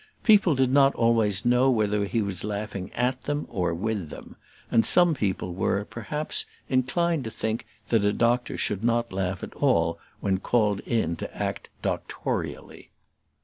People did not always know whether he was laughing at them or with them; and some people were, perhaps, inclined to think that a doctor should not laugh at all when called in to act doctorially.